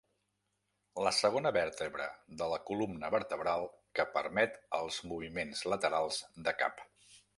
La segona vèrtebra de la columna vertebral que permet els moviments laterals de cap.